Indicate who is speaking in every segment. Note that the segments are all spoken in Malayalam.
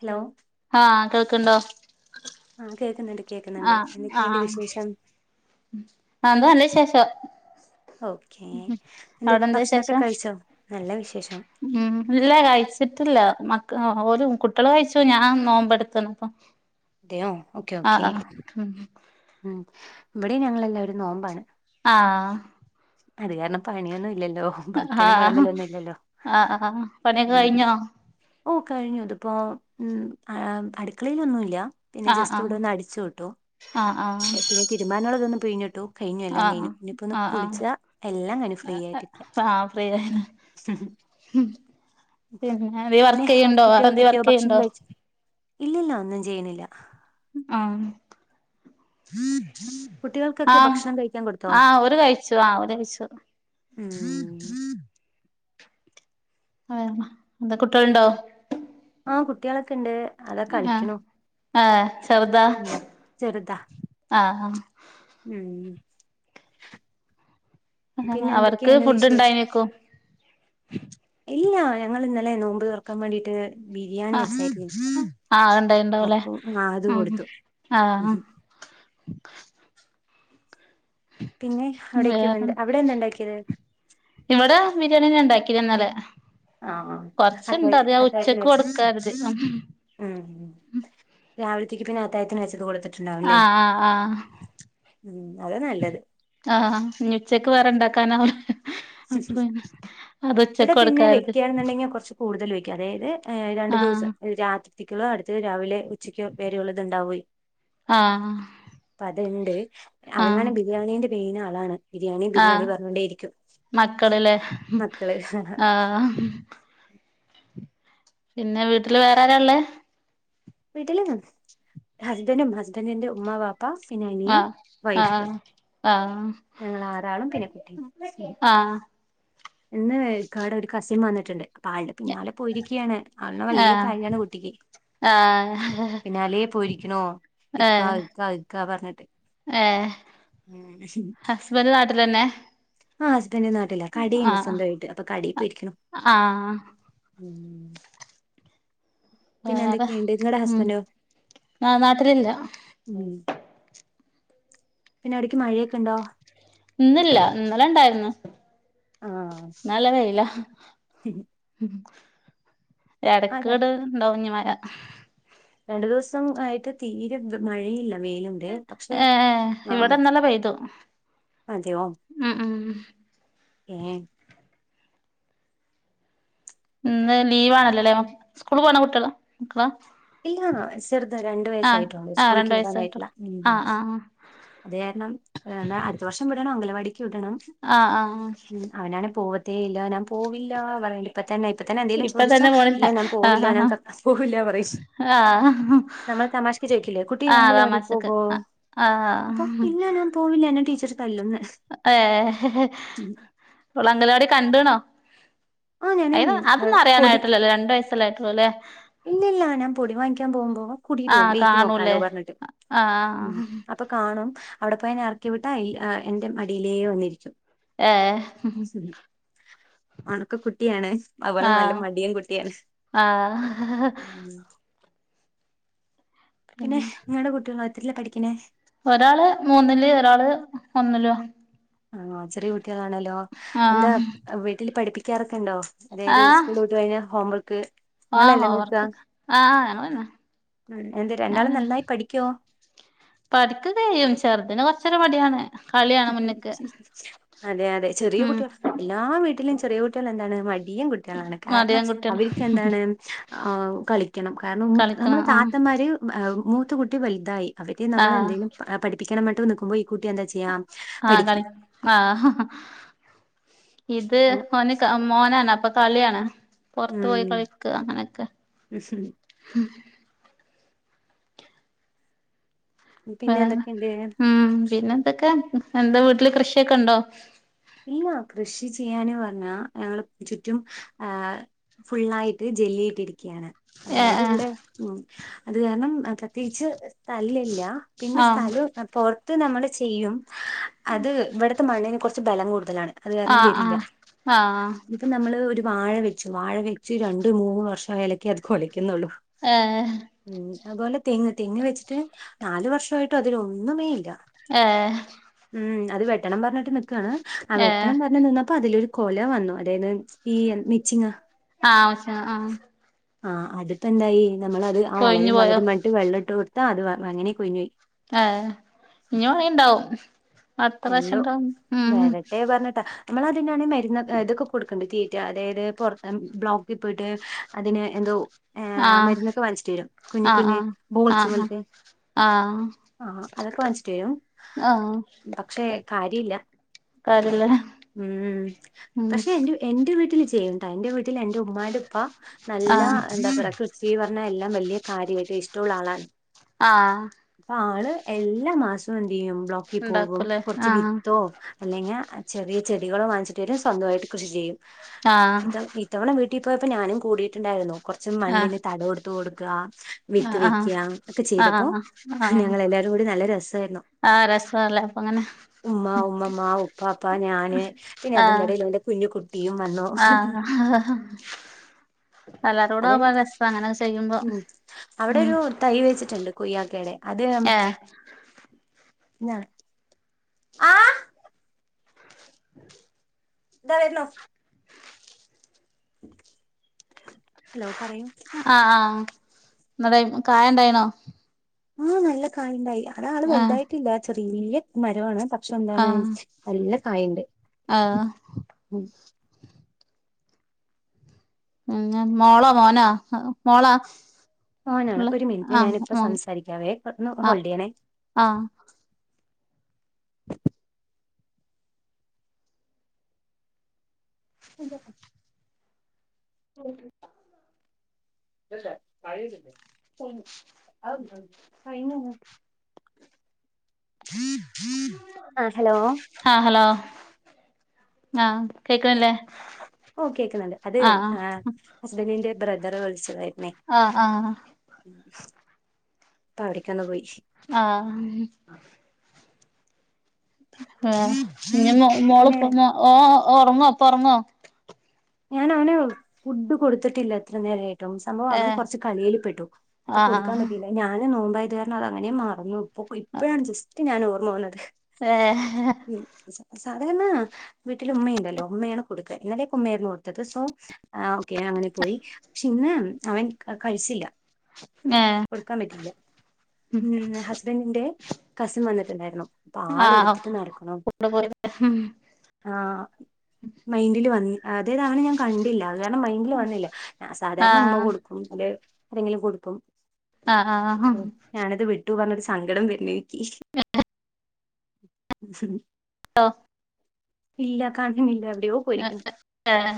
Speaker 1: ഹലോ
Speaker 2: ആ കേൾക്കുണ്ടോ?
Speaker 1: ആഹ് കേക്കുന്നുണ്ട് കേക്കുന്നുണ്ട്
Speaker 2: ആഹ്
Speaker 1: എന്തൊക്കെയുണ്ട്
Speaker 2: ആഹ്
Speaker 1: വിശേഷം
Speaker 2: എന്താ നല്ല വിശേഷം
Speaker 1: ഓക്കേ എന്ത്
Speaker 2: അവിടെ എന്താ
Speaker 1: ഭക്ഷണോക്കെ കഴിച്ചോ നല്ല വിശേഷം.
Speaker 2: ഉ ഇല്ല കഴിച്ചിട്ടില്ല മ ക്ക ആ ഒര് കുട്ടികള് കഴിച്ചു. ഞാൻ നോമ്പെടുക്കണ് ഇപ്പൊ
Speaker 1: അതെയോ
Speaker 2: ആഹ ഉം
Speaker 1: ഇവിടേം ഞങ്ങളെല്ലാവരും നോമ്പാണ്.
Speaker 2: ആഹ്
Speaker 1: അത് കാരണം പണിയൊന്നുമില്ലല്ലോ
Speaker 2: ആഹ ആഹ പണിയൊക്കെ കഴിഞ്ഞോ?
Speaker 1: ഓഹ് കഴിഞ്ഞു. ഇതിപ്പോ ഉം ആം അടുക്കളയിലൊന്നുമില്ല. പിന്നെ
Speaker 2: ആഹ്
Speaker 1: ജസ്റ്റ് ഇവിടെ
Speaker 2: ആഹ്
Speaker 1: ഒന്ന് അടിച്ചു വിട്ടു.
Speaker 2: ആഹ് ആഹ്
Speaker 1: പിന്നെ തീരുമാനുള്ളതൊന്ന് പിഴഞ്ഞിട്ടു. കഴിഞ്ഞു എല്ലാം
Speaker 2: ആഹ്
Speaker 1: കഴിഞ്ഞു. ഇപ്പോ ഒന്ന്
Speaker 2: ആഹ്
Speaker 1: കുളിച്ചാ എല്ലാം കഴിഞ്ഞ് ഫ്രീ ആയിട്ടിരിക്കാം.
Speaker 2: ആഹ്
Speaker 1: [unintelligible]
Speaker 2: ഉം പിന്നെന്തേലും
Speaker 1: പിന്നെ
Speaker 2: വർക്ക്
Speaker 1: അവിടെ
Speaker 2: ചെയ്യണ്ടോ വേറെന്തേലും
Speaker 1: കുട്ടികൾക്കൊക്കെയോ
Speaker 2: വർക്ക്
Speaker 1: ഭക്ഷണം
Speaker 2: ചെയ്യണ്ടോ?
Speaker 1: കഴിച്ചു ഇല്ലില്ല ഒന്നും ചെയ്യണില്ല.
Speaker 2: ആഹ്
Speaker 1: കുട്ടികൾക്കൊക്കെ
Speaker 2: ആഹ്
Speaker 1: ഭക്ഷണം കഴിക്കാൻ കൊടുത്തോ
Speaker 2: ആഹ് ഓരു കഴിച്ചു ആ ഓരു കഴിച്ചു
Speaker 1: ഉം
Speaker 2: ഏഹ് എന്താ കുട്ടികളുണ്ടോ?
Speaker 1: കുട്ട്യാളൊക്കെണ്ട്
Speaker 2: ആഹ് ആഹ് ചെർതാ
Speaker 1: ഉം ചെറുതാ
Speaker 2: ആഹ് ആ
Speaker 1: ഉം
Speaker 2: ആഹ്
Speaker 1: പിന്നെ
Speaker 2: അവർക്ക്
Speaker 1: എന്തൊക്കെയാണ്
Speaker 2: ഫുഡ്
Speaker 1: വിശേഷം
Speaker 2: ഇണ്ടായിനിക്കും
Speaker 1: ഇല്ലാ ഞങ്ങള് ഇന്നലെ നോമ്പ് തൊറക്കാൻ മാണ്ടീട്ട് ബിരിയാണി
Speaker 2: ആഹ്
Speaker 1: വെച്ചായിേ
Speaker 2: ആഹ് ഇണ്ടായിണ്ടാവുല്ലേ
Speaker 1: അപ്പൊത്
Speaker 2: ഉം
Speaker 1: കൊടുത്തു ഉ
Speaker 2: ആഹ്
Speaker 1: [inaudible]
Speaker 2: ഉ
Speaker 1: അവിടേക്ക്
Speaker 2: വേറെ
Speaker 1: വേണ്ട അവിടെ എന്താ ഉണ്ടാക്കിയത്
Speaker 2: ഇവിടെ ബിരിയാണി ഉണ്ടാക്കിന്നല്ലേ
Speaker 1: ആ ആ
Speaker 2: കൊറച്ചുണ്ട്
Speaker 1: അത്താഴത്തി
Speaker 2: അത ആ
Speaker 1: അത്താഴത്തിന്
Speaker 2: ഉച്ചക്ക്
Speaker 1: വെച്ച
Speaker 2: കൊടുക്കരുത്
Speaker 1: ഉം രാവിലത്തേക്ക് പിന്നെ അത്തായത്തിന് വെച്ചത് കൊടുട്ട്
Speaker 2: ആഹ ആഹ്
Speaker 1: ഉം അതാ നല്ലത്
Speaker 2: ആഹ് ആഹ് ഇ ഉച്ചക്ക് വേറെ ഉണ്ടാക്കാനാവില്ല
Speaker 1: ഇവിടെ
Speaker 2: ഉച്ചക്ക്
Speaker 1: പിന്നെ
Speaker 2: കൊടുക്കാ കരുതി
Speaker 1: വെക്കാണെന്നുണ്ടെങ്കിൽ കുറച്ച കൂടുതൽ വെക്ക അതായത് രണ്ട
Speaker 2: ആഹ്
Speaker 1: ദിവസം രാത്രിളോ അടുത്ത് രാവിലെ ഉച്ചക്കോ വരെ ഉള്ളത് ഉണ്ടാവോയി
Speaker 2: ആഹ
Speaker 1: അവൻ വ ബിരിയാണീന്റെ പെയിന ആളാണ് ബിരിയാണിയ ബിരിയാണിയ പറഞ്ഞോണ്ടേയിരിക്കും
Speaker 2: മക്കളിലെ
Speaker 1: മക്കള്
Speaker 2: ആഹ
Speaker 1: [inaudible]
Speaker 2: പിന്നെ വീട്ടില് വേറെ ആരാള്ളേ
Speaker 1: വീട്ടില ഹസ്ബൻഡും ഹസ്ബൻറിിന്റെ ഉമമാ വപ്പ ഫിനാലിയൻ
Speaker 2: ആഹ്
Speaker 1: വൈഫർ
Speaker 2: ആഹ് ആഹ്
Speaker 1: ഞങ്ങൾ ആാരളും പിന്നെ കുട്ടി
Speaker 2: ആഹ്
Speaker 1: എന്നന്ന് കാാട ഒരു കസം വന്നിട്ടുണ്ട് അപ്പൊ ആളുടെ പിന്നാലെ പോയിരിക്കുകയാണ് ആളുടെ വലിയ
Speaker 2: ആഹ്
Speaker 1: കാര്യമാണ് കുട്ടിക്ക്
Speaker 2: ആഹ്
Speaker 1: പിന്നെ അലേ പോയിരിക്കണോ ഇക്കാ ഇക്കാ ഇക്കാ പറഞ്ഞിട്ട്
Speaker 2: ഏ ഹസ്ബൻഡ് നാട്ടിലന്നെ
Speaker 1: ആ്സ്ബഡന്റെ നാട്ടില്ല കടിയുണ്ട്
Speaker 2: ആഹ്
Speaker 1: വന്തമായിട്ട് അപ്പൊ കടയിൽ പോയിരിക്കണ
Speaker 2: ആഹ്
Speaker 1: പിന്നെ
Speaker 2: വേറെ
Speaker 1: എന്തൊക്കെയുണ്ട് നിങ്ങളടെ
Speaker 2: ഉം
Speaker 1: ഹസ്ബൻറോ
Speaker 2: ആഹ് നാട്ടിലില്ല
Speaker 1: ഉ പിന്നെ അവിടക്ക് മഴയൊക്കെ ഉണ്ടോ
Speaker 2: ഇന്നില്ല ഇന്നലെ ഇണ്ടായിന്ന് ഇല്ലതയ്ല
Speaker 1: ശരി
Speaker 2: ഇടക്കേട് ഇണ്ടഞ്ഞി മഴ
Speaker 1: രണ്ടു ദിവസം ആയിട്ട് തീരെ മഴയില്ല വെയിലുണ്ട് പക്ഷെ
Speaker 2: ഏ
Speaker 1: ആഹ്
Speaker 2: ഇവിടെന്നല്ല പയതു ഉ ഉ ഉ
Speaker 1: ഹ
Speaker 2: ഇന്ന് ലീവ് ആണല്ലോല്ലേ സ്കൂള് പോണ കുട്ടികള മക്കളാ
Speaker 1: ഇണോ ചെറുത രണ്ടു
Speaker 2: ആഹ്
Speaker 1: വയസായിട്ടള്ളൂ
Speaker 2: ആഹ് രണ്ട്
Speaker 1: സ്കൂളിക്ക് വിടാനായിട്ടില്ല
Speaker 2: വയസ്സായിട്ടുള്ളു ആഹ് ആഹ്
Speaker 1: അത കാരണംന്താ അടുത്ത വർഷം ഇവിടണ അംഗലവാടി ടണം
Speaker 2: ആഹ് ആഹ്
Speaker 1: ഉ അവനാണ് പോവതേ ഇല്ല ഞാൻ പോവില്ല പറയ ഇപ്പ തന്നെ ഇപ്പ തന്നെ എന്തേങ്കലും
Speaker 2: ഇപ്പ
Speaker 1: ചോദിച്ചാ
Speaker 2: തന്നെ പോണില്ല
Speaker 1: ഇല്ല ഞാൻ പോവില്ല
Speaker 2: ആഹ്
Speaker 1: ഞാൻ
Speaker 2: ആഹ്
Speaker 1: പോവില്ല പറയി
Speaker 2: ആഹ്
Speaker 1: നമ്മൾ തമാശിക്ക ചോദിക്കില്ലേ കുട്ടി
Speaker 2: ആഹ്
Speaker 1: ങ്കിലും മടി
Speaker 2: തമാശക്ക്
Speaker 1: പോകോ അപ്പൊ
Speaker 2: ആഹ്
Speaker 1: പിന്നെ ഞാ പോവില്ല എന്നെ ടീച്ചർ തല്ലുന്ന്
Speaker 2: ഏളങ്ങല അവിടെ കണ്ടുണോ
Speaker 1: ആ ഞാന്
Speaker 2: അത്
Speaker 1: ഏഹ്
Speaker 2: അതൊന്നും
Speaker 1: പൊടി
Speaker 2: അറിയാനായിട്ടില്ലല്ലേ രണ്ടു വയസ്സല്ല ആായിട്ടുള്ളൂ അല്ലേ
Speaker 1: ഇല്ലില്ല ഞാൻ പൊടി വാങ്ങിക്കാൻ പോകുമ്പോ കുൂടിട്ടും
Speaker 2: ആഹ്
Speaker 1: വെയിറ്റ് നോക്കാലോ
Speaker 2: കാണൂലേ
Speaker 1: പറഞ്ഞിട്ട് ഉ
Speaker 2: ആഹ്
Speaker 1: അപ്പൊ കാണും അവിടെ പോയെ ഇറക്കി വിട്ടാ എൻ്റെ മടിയിലേ വന്നിരിക്കും
Speaker 2: ഏ
Speaker 1: ഉം ഉണക്ക കുട്ടിയാണ് അവപോലെ നല്ല മടിയൻ കുട്ടിയാണ്
Speaker 2: ആഹ
Speaker 1: ഉം പിന്നെ നിങ്ങളടെ കുട്ടികള ഒത്തിരില്ലേ പഠിക്കണേ
Speaker 2: ഒരാള് മൂന്നില്േ ഒരാള് ഒന്നില്ല
Speaker 1: ആഹ ചെറിയ കുട്ടികളാണല്ലോ എന്താ
Speaker 2: ആഹ്
Speaker 1: വീട്ടിൽ പഠിപ്പിക്കാറൊക്കെ ഉണ്ടോ അതായത്
Speaker 2: ആഹ്
Speaker 1: സ്കൂള് വിട്ട് കഴിഞ്ഞ ഹോംവർക്ക്
Speaker 2: ആഹ്
Speaker 1: ങ്ങളെല്ലെ നോക്ക
Speaker 2: ഹോംവർക്ക് ആഹ് ഞങ്ങളന്നെ
Speaker 1: എന്ത് രണ്ടാളും നന്നായി പഠിക്കാേ
Speaker 2: പഠിക്കക്കെയും ചെറുദ്ന് കൊർച്ചൊരു മട്യാണ്
Speaker 1: അതെ അതെ ചെറിയ
Speaker 2: ഉം
Speaker 1: കുട്ടികൾ എല്ലാ വീട്ടിലും ചെറിയ കുട്ടികളെന്താണ് [unintelligible] ടിയും കുട്ട്യാളാണ് കാരണം
Speaker 2: മടിയൻ കുട്ടികള
Speaker 1: അവര്ക്കെന്താണ് ആ കളിക്കണം കാരണം
Speaker 2: കളിക്കണം
Speaker 1: നമ്മള് താ
Speaker 2: ആഹ്
Speaker 1: ത്തമാര് മൂത്തകുട്ടി വൽതായി അവര്
Speaker 2: ആഹ്
Speaker 1: നമ്മളെന്തെങ്കിലും പഠിപ്പിക്കണം പർഞ്ഞ്ട്ട് നിക്കുമ്പോ ഈ കുട്ടി എന്താ ചെ
Speaker 2: ആ കളി ആ ഹഹ ഇത് ഓന് ക മോനാണ് അപ്പ കള്യാണ് പൊർത്ത് പോയി
Speaker 1: ഉം
Speaker 2: കളിക്ക അങ്ങനൊക്കെ
Speaker 1: പിന്നെ
Speaker 2: വേറെ
Speaker 1: എന്തൊക്കെയുണ്ട്
Speaker 2: ഉം പിന്നെന്തൊക്കെ എന്താ വീട്ടില് കൃഷിയൊക്കെണ്ടോ
Speaker 1: ഇല്ല കൃഷി ചെയ്യാൻ പറഞ്ഞാ ഞങ്ങള് ചുറ്റും ആ ഫുള്ളായ്ട്ട് ജെല്ലിയിട്ടിരിക്കയാണ് അതായത്
Speaker 2: ഏഹ്
Speaker 1: ഇവിടെ ഉം അത് കാരണം പ്രത്യേകിച്ച് [unintelligible] ലല്ല പിന്നെ
Speaker 2: ഏഹ്
Speaker 1: സ്ഥലം പുറത്ത് നമ്മള് ചെയ്യും അത് ഇവിട്ത്തെ മണ്ണിന് ഭലം കൂട്തലാണ്
Speaker 2: ആഹ്
Speaker 1: അത്കാരണം തെരില്ല
Speaker 2: ആഹ് ആഹ്
Speaker 1: ഞ്ഞ്പ്പം നമ്മള് ഒര് വാഴ വെച്ചു വാഴ വെച്ച് രണ്ട് മൂന്ന് വർഷം ആയാലെക്ക അത് കൊല ക്ക്ന്നുള്ളൂ
Speaker 2: ആഹ് ഏഹ്
Speaker 1: ഉം അതുപോലെ തെങ്ങ് തെങ്ങ് വെച്ചിട്ട് നാല് വർഷായിട്ടും അതിലൊന്നുമേ ഇല്ല
Speaker 2: ഏ
Speaker 1: ഉം അത് വെട്ടണം പറഞ്ഞ്ട്ട് നിക്കാണ് ആ
Speaker 2: ഏഹ്
Speaker 1: വെട്ടണം പറഞ്ഞ് നിന്നപ്പം അതിലൊരു കൊല വന്നു അതായത് ഈ മിച്ചിങ്ങ
Speaker 2: ആ ആവശ്യ ആ
Speaker 1: ആ അത്പ്പെന്തായി നമ്മളത് ആ വളരും
Speaker 2: കൊഴിഞ്ഞു
Speaker 1: വളരും
Speaker 2: പോയോ
Speaker 1: പർഞ്ഞിട്ട് വെള്ളംട്ട് കൊടുത്താ അത് അങ്ങനേ കൊഴിഞ്ഞാേയി
Speaker 2: ആ ഇനി മാണേ ഇണ്ടാവും അട്ത്രശ്യംണ്ടാവും ഉം ഉം
Speaker 1: നമ്മളതിനാണെ മരുന്നാെക്കെ തൊക്കെ കൊട്ക്ക്ണ്ട് തീറ്റ അതായത് പൊർത്ത് ബ്ലോക്കിൽ പോയിട്ട് അതിന് എന്തോ ഏ
Speaker 2: ആഹ്
Speaker 1: മര്ന്നൊക്കെ വാങ്ങിച്ച്ട്ടരും കുഞ്ഞ്
Speaker 2: ആഹ്
Speaker 1: കുഞ്ഞ്
Speaker 2: ആഹ്
Speaker 1: ബോൾസ് പോല്ത്തെ
Speaker 2: ആഹ് ആഹ്
Speaker 1: ആ അതൊക്കെ വാങ്ങിച്ചിട്ടരും
Speaker 2: ആഹ്
Speaker 1: പക്ഷെ കാര്യല്ല
Speaker 2: കാര്യല്ലേ
Speaker 1: ഉം
Speaker 2: ഉം
Speaker 1: പക്ഷെ എന്റെ എ ന്റെ വീട്ടിൽ ചെയ്യ്ണ് ട്ടാ എന്റെ വീട്ടിൽ എന്റെ ഉമ്മാന്റുപ്പാ നല്ല
Speaker 2: ആഹ്
Speaker 1: എന്താ പറയാ കൃഷി പറഞ്ഞ എല്ലാം വല്യ കാര്യമായിട്ട് ഇഷ്ടമുള്ള ആളാണ്
Speaker 2: ആ
Speaker 1: അപ്പൊ ആള് എല്ലാ മാസും എന്തെയ്യും ബ്ലോക്കി പോകും
Speaker 2: ഇണ്ടാക്കൂലേ
Speaker 1: കാെർച്ച്
Speaker 2: ആഹ്
Speaker 1: വിത്തോ അല്ലങ്ക്യ ചെറി ചെടികളോ വാങ്ങിച്ചിട്ട് വരും സ്വന്തമായിട്ട് കൃഷി ചെയ്യും
Speaker 2: ആഹ്
Speaker 1: ഇത ഇത്തവണ വീ ട്ടി പോയപ്പോ ഞാനും കൂടിട്ട്ണ്ടായ്ര്ന്നു കൊറച്ച്
Speaker 2: ആഹ്
Speaker 1: മണ്ണ്ന് തടെവെടുത്ത് കൊട്ക്ക വിത്ത്
Speaker 2: ആഹ് ആഹ്
Speaker 1: വെയ്ക്ക തൊക്കെ ചെയ്തപ്പോ
Speaker 2: ആഹ് ആഹ്
Speaker 1: ഞങ്ങളെല്ലാരും കൂടി നല്ല രസായ്ര്ന്നു
Speaker 2: ആഹ് രസാല്ലേ അപ്പങ്ങനെ
Speaker 1: ഉമ്മ ഉമ്മമ്മ ഉപ്പാപ്പ ഞാന് പിന്നെ
Speaker 2: ആഹ്
Speaker 1: അതിന്റെടേലെന്റെ കുഞ്ഞു ബിയും വന്നു
Speaker 2: ആഹ് എല്ലാരും കൂടെ
Speaker 1: അതെ
Speaker 2: ആവുമ്പോ രസാ അങ്ങനൊക്കെ ചെയ്യുമ്പോ
Speaker 1: ഉം അവിടെ
Speaker 2: ഉം
Speaker 1: ഒരു തൈ വെച്ചിട്ട്ണ്ട് കൊയ്യക്കേടെ അത്
Speaker 2: ഏഹ്
Speaker 1: ഞാ ആ ദാ വര്ന്നു ഹലോ പറയൂ
Speaker 2: ആ ന്നട് കായണ്ടായ്ണോ
Speaker 1: ആ നല്ല കായിണ്ടായി അ [unintelligible] ആള്
Speaker 2: ആഹ്
Speaker 1: വലുതായിട്ടില്ല ചെറിയ മരമാണ് ഷെന്താണ്
Speaker 2: ആഹ്
Speaker 1: നല്ലാ കായിണ്ട്
Speaker 2: ആഹ്
Speaker 1: ഉം
Speaker 2: [unintelligible] മോളോ മോനാ മോളാ
Speaker 1: മോനാണ്
Speaker 2: ഉള്ള
Speaker 1: ഒരു മിൻറ്റ്
Speaker 2: ആഹ്
Speaker 1: ഞാനിപ്പോ
Speaker 2: മോൻ
Speaker 1: സംസാരിക്കാവേ ഒന്ന്
Speaker 2: ആഹ്
Speaker 1: ഹോൾഡ് ചെയ്യണേ
Speaker 2: ആഹ്
Speaker 1: [unintelligible]
Speaker 2: [inaudible]
Speaker 1: അതെന്ത്
Speaker 2: ഭി ഭി
Speaker 1: ആഹ ഹലോ
Speaker 2: ആഹ് കേൾക്കണില്ലേ
Speaker 1: ഓ കേക്കുന്നുണ്ട് അത ആ് ഹസ്ബൻഡിന്റെ ബ്രദറ് വിളിച്ചതായി
Speaker 2: ആഹ ആഹ
Speaker 1: അപ്പ അവിടക്കന്ന പോയി
Speaker 2: ആഹ ആഹ ഇ മോള്
Speaker 1: പിന്നെ
Speaker 2: പോന്ന ഓ ഉറങ്ങോ പറങ്ങോ
Speaker 1: ഞാൻ അവനെ ഫുഡ് കൊടുത്തിട്ടില്ല എത്ര നേരമായി റ്റവും സംഭവം അവൻ
Speaker 2: ഏഹ്
Speaker 1: കുറച്ച് കളിയിൽപ്പെട്ടു അപ്പൊ കൊടുക്കാൻ
Speaker 2: ആഹ്
Speaker 1: പറ്റിയില്ല ഞാന് നോമ്പ ഇത് കാരണം അത് അങ്ങനെ മറന്നു അപ്പൊ ഇപ്പോഴാണ് ജസ്റ്റ് ഞാൻ ഓർമ്മ വന്നത്
Speaker 2: ആഹ
Speaker 1: സാധാരണ വീട്ടിൽ ഉമ്മയുണ്ടല്ലോ ഉമ്മയാണ് കൊടുക്കുക എന്നലാലേ ഉുമമ്മ ആായിരുന്നു കൊത്തത് സോ ഓക്കെ അങ്ങനെ പോയി പക്ഷെ ഇന്ന് അവൻ കഴിച്ചില്ല
Speaker 2: ഏഹ്
Speaker 1: കൊടുക്കാൻ പറ്റയില്ല ഉ ഹസ്ബൻറിിന്റെ കസിൻ വന്നിട്ട് അപ്പൊ ആൾ
Speaker 2: ആഹ്
Speaker 1: എടുത്തിട്ട് നടക്കണം
Speaker 2: കൊണ്ട് പോയി
Speaker 1: ആ മൈൻഡില് വന്ന അതെ ത ഞാൻണ്ടില്ല അ കാരണം മൈൻഡില് വന്നില്ല ാ സാധാരണ ഉമ്മ
Speaker 2: ആഹ്
Speaker 1: കൊടുക്കും എന്തെങ്കിലും കൊടുക്കും
Speaker 2: ആഹ ആഹഹ
Speaker 1: പറഞ്ഞരു സങ്കടം വരുന്നക്കി
Speaker 2: ആ
Speaker 1: ഇല്ല കാണുന്നില്ല എവിടെയോ പോയിരിക്കുന്നു
Speaker 2: ഏഹ്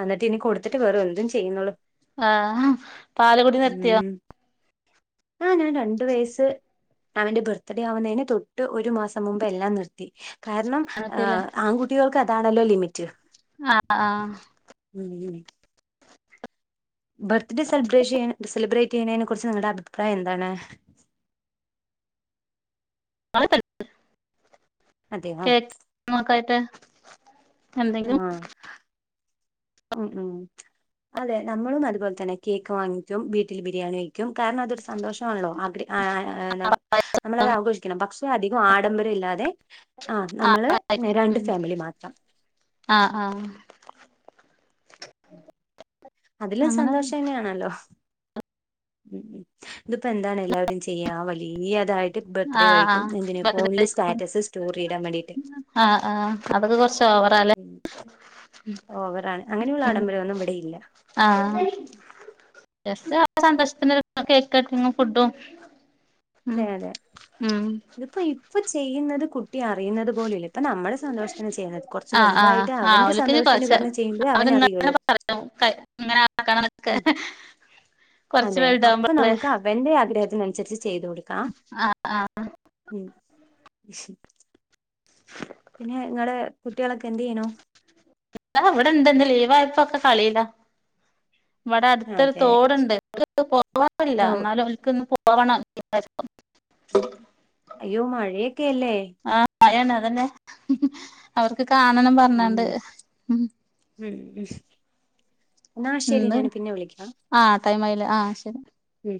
Speaker 1: വന്നിട്ട് ഇനി കൊടുത്തിട്ട് വേറ എന്തും ചെയ്യുന്നുള്ളൂ
Speaker 2: ആഹ പാലക്കുടി നിർത്തിയോ
Speaker 1: ആ ഞാൻ രണ്ട വയസ് അവൻന്റെ ബർത്ത്ഡേ ആവുന്നതിന് തൊട്ട് ഒരു മാസം മുമ്പ് എല്ലാം നിർത്തി കാരണംഹ
Speaker 2: നിർത്തില്ലേ
Speaker 1: ആൺകുട്ടികൾക്ക് അതാണല്ലോ ലിമിറ്റ്
Speaker 2: ആഹ ആഹ
Speaker 1: ഉം ഉം. ബർത്ത്ഡേ സെബ്ര്യ സെലിബ്രേറ്റ് ചെയ്യണതിനെ കുുറിച്ച് നിങ്ങളുടെ അഭിപ്രായം എന്താണ് [inaudible] അതെയോ
Speaker 2: കേ നക്കായിട്ട്
Speaker 1: ആഹ ഉ ഉം അതെ നമ്മളും അതുപോലെ തന്നെ കേക്ക് വാങ്ങിക്കും വീട്ടിൽ ബിരിയാണി വഴിക്കും കാരണം അതൊരു സന്തോഷമാണല്ലോ നമ്മളത് ആഘോഷിക്കണം പക്ഷണം അധികം ആഡംബരം ഇല്ലാതെ് നമ്മ രണ്ട് ഫാമിലി മാത്രം
Speaker 2: ആഹ ആഹ
Speaker 1: അതിലും
Speaker 2: അങ്ങനെ
Speaker 1: സന്തോഷം തന്നെയാണല്ലോ ഉം ഉം ഇതിപ്പോ എന്താണ് എല്ലാവരും ചെയ്യാ വലിയതായിട്ട് ബർത്ത് ഡേ
Speaker 2: ആഹ്
Speaker 1: കഴിക്കും
Speaker 2: ആഹ്
Speaker 1: എന്തിനന് ഫോണില് സ്റ്റാറ്റസ് സ്റ്റോർ ചെയ്ടാൻ വേണ്ടിയിട്ട്
Speaker 2: ആഹ ആഹ അതൊക്കെ കൊറച്ച് ഓവറ അല്ലേ
Speaker 1: ഓ അവറാണ് അങ്ങനെയുള്ള ആഡംബരം ഒന്നും ഇവിടെയില്ല
Speaker 2: ആഹ ജസ് സന്തോഷത്തിന് കേക്കും ഫുഡും ഉം
Speaker 1: അതെ അതെ
Speaker 2: ഉം
Speaker 1: ഇതിപ്പോ ഇപ്പൊ ചെയ്യുന്നത് കുട്ടി അറിയുന്നത് പോലല്ല അപ്പൊ നമ്മുടെ സന്തോഷത്തിന്നെ ചെയ്യുന്നത്ത് കുറച്ച്
Speaker 2: ആഹ് ആഹ്
Speaker 1: വലുതായിട്ട്
Speaker 2: ആഹ്
Speaker 1: അവൻന്റെ
Speaker 2: ഓല്ക്കിനി
Speaker 1: സന്തോഷത്തിന് പറഞ്ഞ് ചെയ്യുമ്പോേ അവനറിയുള്ളു
Speaker 2: ആ ആ കണക്ക്
Speaker 1: അതെ അപ്പൊ നമുക്ക് അവ എന്റെ ആഗ്രഹത്തിന അനുസരിച്ച് ചെയ്തു കൊടുക്കാം
Speaker 2: ആഹ് ആഹ്
Speaker 1: ഉം പിന്നെ നിങ്ങളടെ കുട്ടികളൊക്കെ എന്ത് ചെയ്യണോ
Speaker 2: അവിടെ എന്തന്നഈ വായ്പൊക്കെ കളില്ല ഇവിടെ അടുത്തൊരു
Speaker 1: അതെ
Speaker 2: തോടുണ്ട് എ പോവാറില്ല
Speaker 1: ഓ,
Speaker 2: എന്നാലും ഒക്ക് പവണ
Speaker 1: അയ്യോ മാഴിയ കേല്ലേ
Speaker 2: ആഴാണ് അതന്നെ അവർക്ക് കാണണം പറഞ്ഞാണ്ട് ഉ
Speaker 1: എ എന്നാ ശെരി
Speaker 2: ഇന്ന്
Speaker 1: ഞൻ പിന്നെ വിളിക്കാം
Speaker 2: ആ ടൈം ആയില്ലേ ആ ശരി
Speaker 1: ഉ